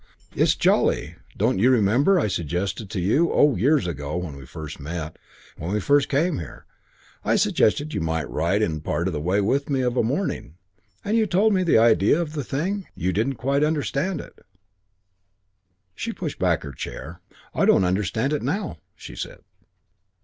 It's jolly. Don't you remember I suggested to you, oh, years ago, when we were first when we first came here, suggested you might ride in part of the way with me of a morning, and told you the idea of the thing? You didn't quite understand it " She pushed back her chair. "I don't understand it now," she said.